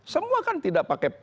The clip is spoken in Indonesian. semua kan tidak pakai pesawat reguler